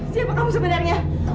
siapa kamu sebenarnya